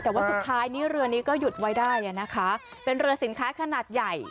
แต่ว่าสุดท้ายนี้เรือนี้ก็หยุดไว้ได้อ่ะนะคะเป็นเรือสินค้าขนาดใหญ่